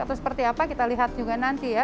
atau seperti apa kita lihat juga nanti ya